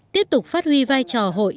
tiếp tục phát huy vai trò hội